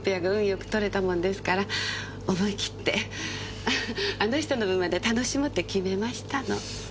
よく取れたもんですから思い切ってあの人の分まで楽しもうって決めましたの。